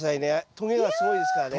とげがすごいですからね。